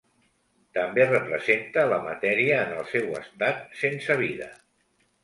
També representa la matèria en el seu estat sense vida.